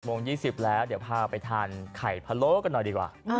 โมง๒๐แล้วเดี๋ยวพาไปทานไข่พะโล้กันหน่อยดีกว่า